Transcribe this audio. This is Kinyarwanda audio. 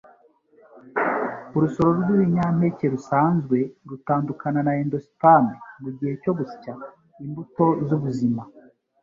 Urusoro rwibinyampeke rusanzwe rutandukana na endosperm mugihe cyo gusya; imbuto zubuzima